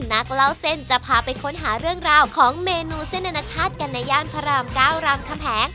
นักเล่าเส้นจะพาไปค้นหาเรื่องราวของเมนูเส้นอนาชาติกันในย่านพระราม๙รามคำแหง